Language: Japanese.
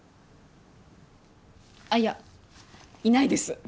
あっいやいないです